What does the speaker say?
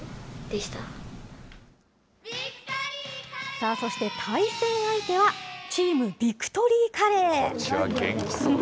さあ、そして対戦相手は、チーム、ビクトリー・カレー。